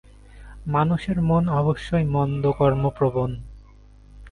মানুষের মন অবশ্যই মন্দকর্মপ্রবণ।